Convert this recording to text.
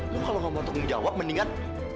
lo kalau gak mau tanggung jawab mendingan